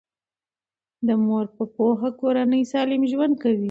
د مور په پوهه کورنۍ سالم ژوند کوي.